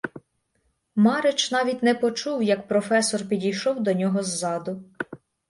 Марич навіть не почув, як професор підійшов до нього ззаду.